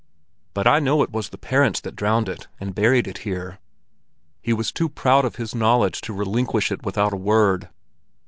"But I know it was the parents that drowned it—and buried it here." He was too proud of his knowledge to relinquish it without a word.